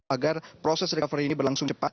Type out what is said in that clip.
agar proses recovery ini berlangsung cepat